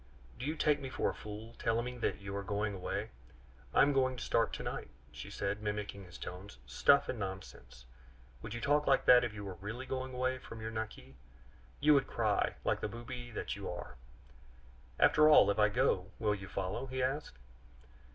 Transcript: Do you take me for a fool, telling me that you are going away? 'I am going to start to night!'" she said, mimicking his tones. "Stuff and nonsense! Would you talk like that if you were really going away from your Naqui? You would cry, like the booby that you are!" "After all, if I go, will you follow?" he asked.